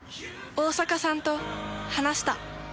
大坂さんと話した。